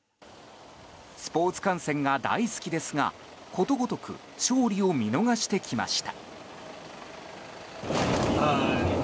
スポーツ観戦が大好きですがことごとく勝利を見逃してきました。